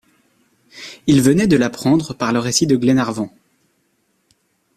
Il venait de l’apprendre par le récit de Glenarvan!